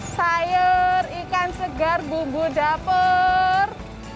sayur ikan segar bumbu dapur